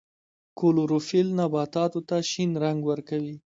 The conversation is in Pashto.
کلوروفیل نباتاتو ته شین رنګ ورکوي